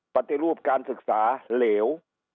ปฏิรูปการศึกษาเหลว